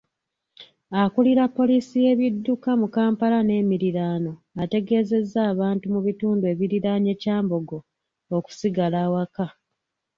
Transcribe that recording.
Akulira poliisi y'ebidduka mu Kampala n'emiriraano, ategeezezza abantu mu bitundu ebiriraanye Kyambogo okusigala awaka